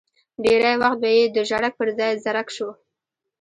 ډېری وخت به یې د ژړک پر ځای زرک شو.